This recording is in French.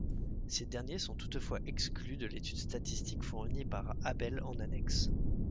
Ces derniers sont toutefois exclus de l'étude statistique fournie par Abell en annexe.